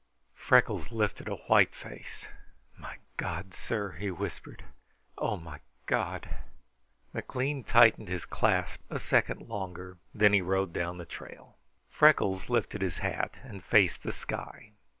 Freckles lifted a white face. "My God, sir!" he whispered. "Oh, my God!" McLean tightened his clasp a second longer, then he rode down the trail. Freckles lifted his hat and faced the sky.